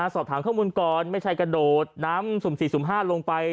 สอบถามข้อมูลก่อนไม่ใช่กระโดดน้ำสุ่ม๔สุ่ม๕ลงไป